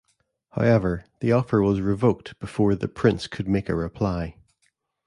However, the offer was revoked before the prince could make a reply.